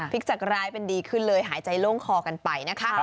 จากร้ายเป็นดีขึ้นเลยหายใจโล่งคอกันไปนะคะ